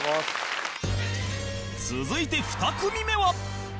続いて２組目は